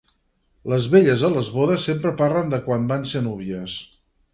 Les velles a les bodes sempre parlen de quan van ser núvies.